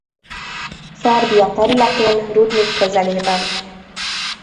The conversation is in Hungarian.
Szerbia területén Rudnik közelében.